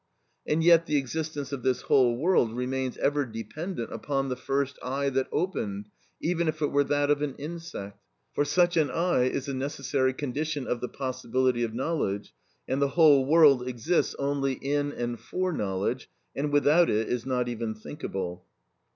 And yet, the existence of this whole world remains ever dependent upon the first eye that opened, even if it were that of an insect. For such an eye is a necessary condition of the possibility of knowledge, and the whole world exists only in and for knowledge, and without it is not even thinkable.